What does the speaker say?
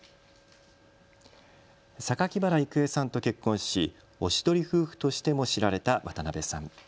榊原郁恵さんと結婚しおしどり夫婦としても知られた渡辺さん。